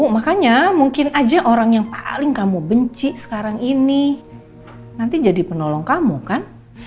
makanya mungkin aja orang yang paling kamu benci sekarang ini nanti jadi penolong kamu kan